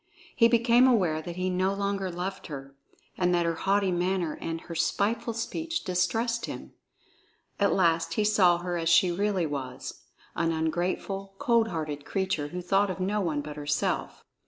He became aware that he no longer loved her, and that her haughty manner and her spiteful speech distressed him. At last he saw her as she really was, an ungrateful, cold hearted creature who thought of no one but herself.